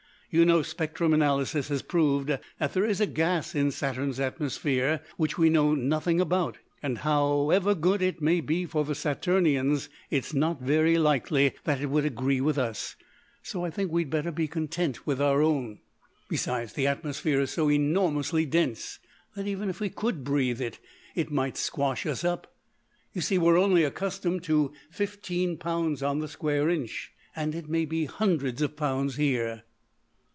"You know spectrum analysis has proved that there is a gas in Saturn's atmosphere which we know nothing about, and, however good it may be for the Saturnians, it's not very likely that it would agree with us, so I think we'd better be content with our own. Besides, the atmosphere is so enormously dense that even if we could breathe it it might squash us up. You see we're only accustomed to fifteen pounds on the square inch, and it may be hundreds of pounds here."